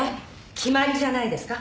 決まりじゃないですか。